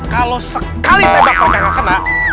kalau sekali tebak mereka gak kena